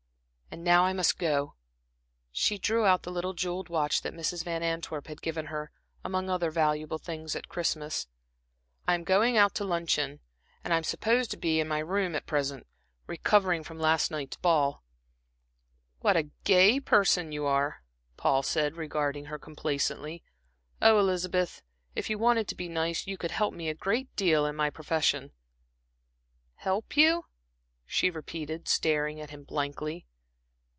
And now I must go." She drew out the little jeweled watch that Mrs. Van Antwerp had given her, among other valuable things, at Christmas. "I am going out to luncheon, and I am supposed at present to be in my room, recovering from last night's ball." "What a gay person you are!" Paul said, regarding her complacently. "Ah, Elizabeth, if you wanted to be nice, you could help me a great deal in my profession." "Help you?" she repeated, staring at him blankly.